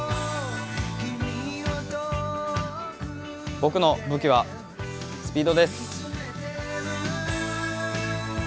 僕の武器はスピードです。